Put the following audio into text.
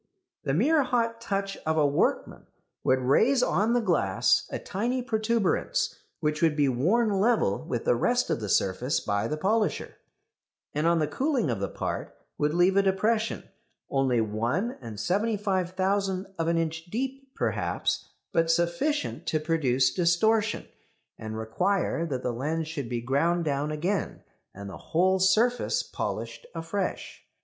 The mere hot touch of a workman would raise on the glass a tiny protuberance, which would be worn level with the rest of the surface by the polisher, and on the cooling of the part would leave a depression, only 1 75,000 of an inch deep, perhaps, but sufficient to produce distortion, and require that the lens should be ground down again, and the whole surface polished afresh.